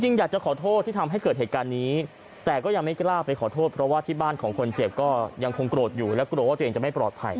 อยากจะขอโทษที่ทำให้เกิดเหตุการณ์นี้แต่ก็ยังไม่กล้าไปขอโทษเพราะว่าที่บ้านของคนเจ็บก็ยังคงโกรธอยู่และกลัวว่าตัวเองจะไม่ปลอดภัย